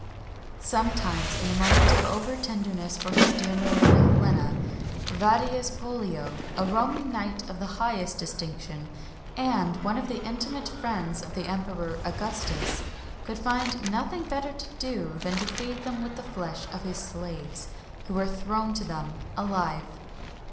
[XXI 19] Sometimes, in a moment of over tenderness for his dear muræna Helena, Vedius Pollio, a Roman knight of the highest distinction, and one of the intimate friends of the Emperor Augustus, could find nothing better to do than to feed them with the flesh of his slaves, who were thrown to them alive.